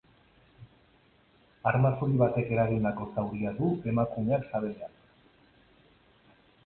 Arma zuri batek eragindako zauria du emakumeak sabelean.